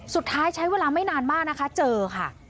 สุดท้ายใช้เวลาไม่นานมากนะคะเจอค่ะ